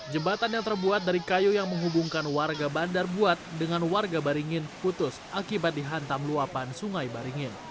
jembatan yang terbuat dari kayu yang menghubungkan warga bandar buat dengan warga baringin putus akibat dihantam luapan sungai baringin